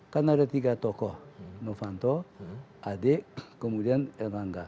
karena ada tiga tokoh novanto adek kemudian erlangga